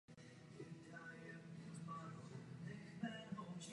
Altaj je velice oblíbeným turistickým místem Rusů i zahraničních cestovatelů.